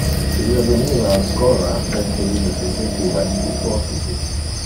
Ille veniva al schola ben que ille se sentiva indisposite.